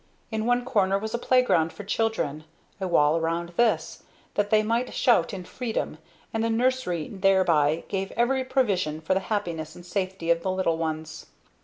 In one corner was a playground for children a wall around this, that they might shout in freedom; and the nursery thereby gave every provision for the happiness and safety of the little ones.